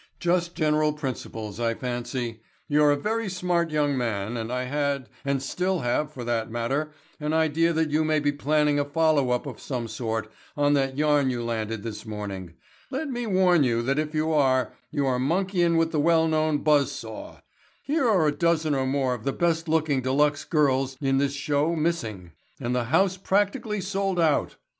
"Just general principles, I fancy. You're a very smart young man and I had, and still have for that matter, an idea that you may be planning a follow up of some sort on that yarn you landed this morning. Let me warn you that if you are, you are monkeyin' with the well known buzz saw. Here are a dozen or more of the best looking de luxe girls in this show missing and the house practically sold out.